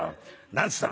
何つったの？」。